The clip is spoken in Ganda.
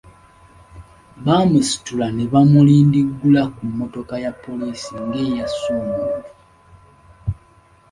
Baamusitula ne bamulindiggula ku mmotoka ya poliisi nga eyasse omuntu.